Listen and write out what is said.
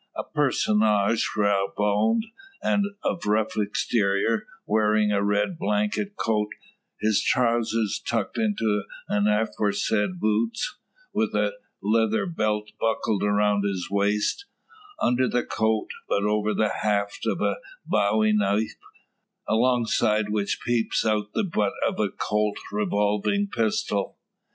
A personage, rawboned, and of rough exterior, wearing a red blanket coat; his trousers tucked into the aforesaid boots; with a leather belt buckled around his waist, under the coat, but over the haft of a bowie knife, alongside which peeps out the butt of a Colt's revolving pistol.